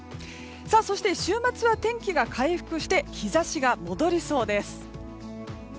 そして、週末は天気が回復して日差しが戻りそうです。